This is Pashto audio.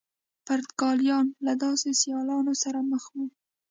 پرتګالیان له داسې سیالانو سره مخ وو.